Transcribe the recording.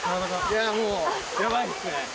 いや、もう、やばいっすね。